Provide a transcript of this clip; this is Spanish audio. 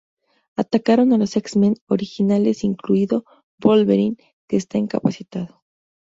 Atacarán a los X-Men originales incluido Wolverine que está incapacitado.